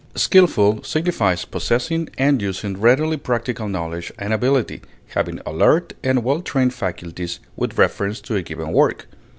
Skilful signifies possessing and using readily practical knowledge and ability, having alert and well trained faculties with reference to a given work.